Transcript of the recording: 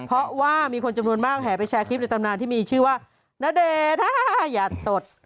เพราะว่ามีคนจำนวนมากแห่ไปแชร์คลิปในตำนานที่มีชื่อว่าณเดชน้าอย่าตด